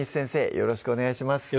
よろしくお願いします